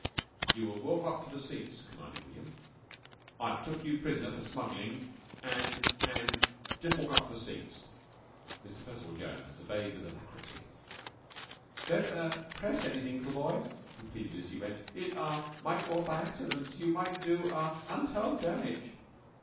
"You walk up to the seats," commanded William. "I've took you prisoner for smugglin' an' an' jus' walk up to the seats." Mr. Percival Jones obeyed with alacrity. "Don't er press anything, little boy," he pleaded as he went. "It ah might go off by accident. You might do ah untold damage."